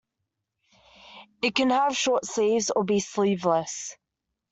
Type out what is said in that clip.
It can have short sleeves or be sleeveless.